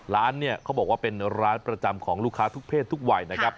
ร้านเนี่ยเขาบอกว่าเป็นร้านประจำของลูกค้าทุกเพศทุกวัยนะครับ